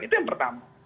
itu yang pertama